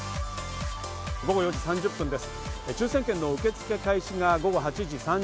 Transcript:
午後４時３０分です。